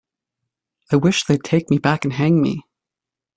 I wish they'd take me back and hang me.